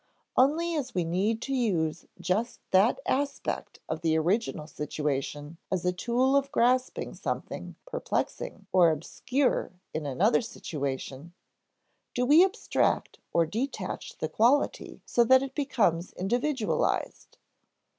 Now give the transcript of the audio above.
Only as we need to use just that aspect of the original situation as a tool of grasping something perplexing or obscure in another situation, do we abstract or detach the quality so that it becomes individualized.